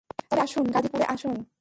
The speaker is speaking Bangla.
তবে আসুন, গাজিপুরে আসুন।